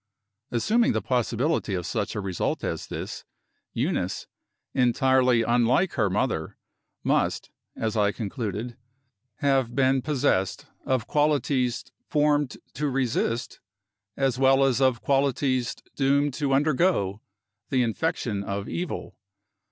Assuming the possibility of such a result as this, Eunice (entirely unlike her mother) must, as I concluded, have been possessed of qualities formed to resist, as well as of qualities doomed to undergo, the infection of evil.